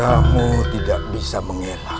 kamu tidak bisa mengelak